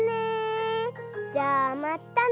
じゃあまったね！